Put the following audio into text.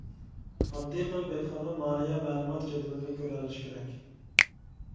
ئاددىي قىلىپ ئېيتقاندا مالىيە مەلۇمات جەدۋىلىنى كۆرەلىشى كېرەك.